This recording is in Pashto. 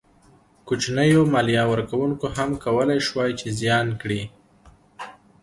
کوچنیو مالیه ورکوونکو هم کولای شوای چې زیان کړي.